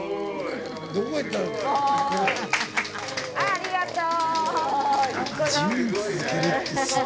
ありがとう。